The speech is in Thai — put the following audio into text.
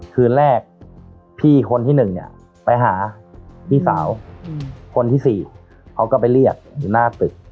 คืนแรกพี่คนที่๑เนี่ยไปหาพี่สาวคนที่๔เขาก็ไปเรียกอยู่หน้าตึก